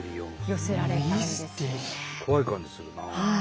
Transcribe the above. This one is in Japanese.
怖い感じするなあ。